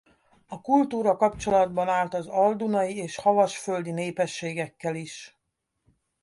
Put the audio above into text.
A kultúra kapcsolatban állt az al-dunai és havasalföldi népességekkel is.